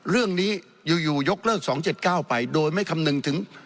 เรื่องนี้อยู่ยกเลิก๒๗๙ไปโดยไม่คำนึงถึง